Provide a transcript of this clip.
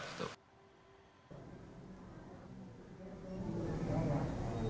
pemerintah berusaha mempercepat pengadaan